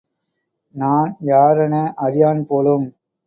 நான் யாரென அறியான்போலும்.